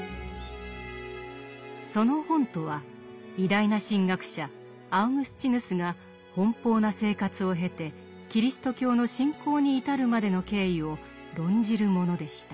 その本とは偉大な神学者アウグスチヌスが奔放な生活を経てキリスト教の信仰に至るまでの経緯を論じるものでした。